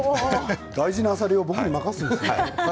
大事なあさりを僕に任す？